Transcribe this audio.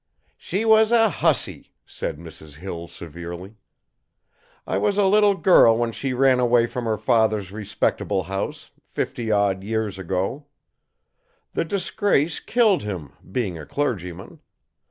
"She was a hussy," said Mrs. Hill severely. "I was a little girl when she ran away from her father's respectable house, fifty odd years ago. The disgrace killed him, being a clergyman.